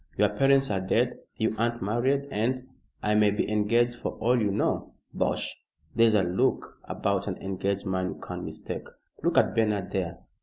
Your parents are dead you aren't married, and " "I may be engaged for all you know." "Bosh! There's a look about an engaged man you can't mistake. Look at Bernard there.